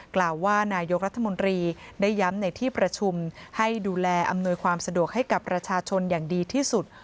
กล่าวว่านายกรัฐมนตรีได้ย้ำในที่ประชุมให้ดูแลอำนวยความสะดวกให้กับประชาชนอย่างดีที่สุด